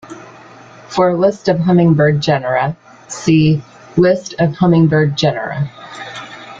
For a list of hummingbird genera, see "list of hummingbird genera".